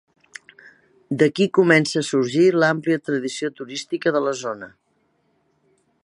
D'aquí comença a sorgir l'àmplia tradició turística de la zona.